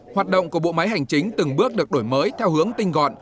hoạt động của bộ máy hành chính từng bước được đổi mới theo hướng tinh gọn